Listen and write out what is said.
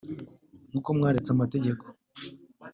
nkuko mwaretse amategeko